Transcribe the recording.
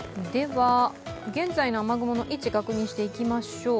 現在の雨雲の位置、確認していきましょう。